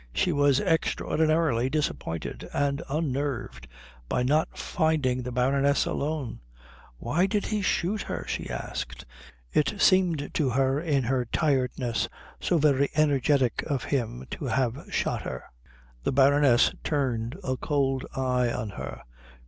She was extraordinarily disappointed and unnerved by not finding the Baroness alone. "Why did he shoot her?" she asked. It seemed to her in her tiredness so very energetic of him to have shot her. The Baroness turned a cold eye on her.